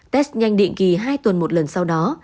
test nhanh định kỳ hai tuần một lần sau đó